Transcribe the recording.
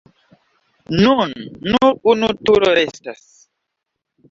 Nun nur unu turo restas.